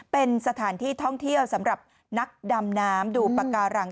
เป็นสถานที่ท่องเที่ยวสำหรับนักดำน้ำดูปากการัง